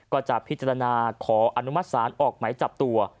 ก็จะพิจารณาขออนุมัติศาลออกไหมจับตัว